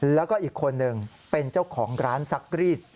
แล้วก็อีกคนหนึ่งเป็นเจ้าของร้านซักรีด